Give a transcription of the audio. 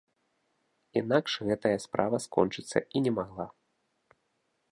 Інакш гэтая справа скончыцца і не магла.